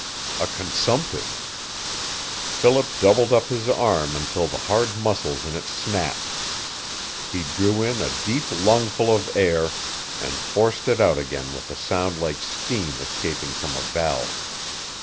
A consumptive! Philip doubled up his arm until the hard muscles in it snapped. He drew in a deep lungful of air, and forced it out again with a sound like steam escaping from a valve.